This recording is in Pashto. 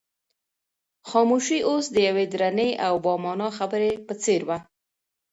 خاموشي اوس د یوې درنې او با مانا خبرې په څېر وه.